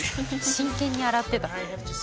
真剣に洗ってた。